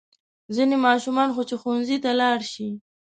ځینې ماشومان خو چې ښوونځي ته لاړ شي.